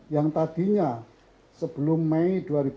yang tadinya sebelum mei dua ribu lima belas